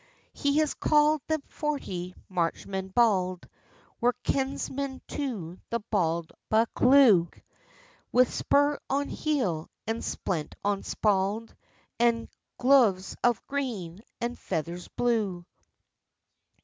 He has calld him forty marchmen bauld, Were kinsmen to the bauld Buccleuch, With spur on heel, and splent on spauld, And gleuves of green, and feathers blue.